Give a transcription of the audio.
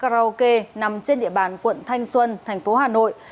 quán carole s nằm trên địa bàn quận thanh xuân thành phố hà nội